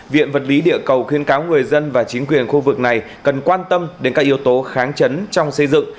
viện vật lý địa cầu khuyên cáo người dân và chính quyền khu vực này cần quan tâm đến các yếu tố kháng chấn trong xây dựng